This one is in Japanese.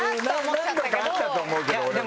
何度かあったと思うけど俺も。